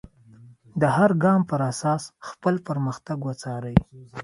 د هر ګام پر اساس خپل پرمختګ وڅارئ.